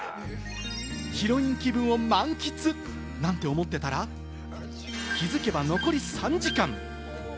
ヒロイン気分を満喫なんて思っていたら、気づけば残り３時間。